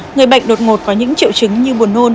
người bệnh đột ngột có những triệu chứng như buồn nôn